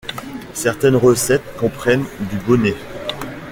Certaines recettes comprennent du bonnet.